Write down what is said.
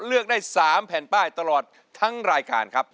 เลือกได้๓แผ่นป้ายตลอดทั้งรายการครับ